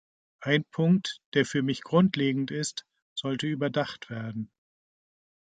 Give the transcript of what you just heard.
Ein Punkt, der für mich grundlegend ist, sollte überdacht werden.